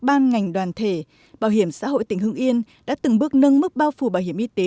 ban ngành đoàn thể bảo hiểm xã hội tỉnh hưng yên đã từng bước nâng mức bao phủ bảo hiểm y tế